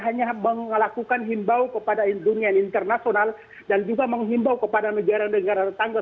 hanya melakukan himbau kepada dunia internasional dan juga menghimbau kepada negara negara tetangga